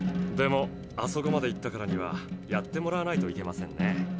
でもあそこまで言ったからにはやってもらわないといけませんね。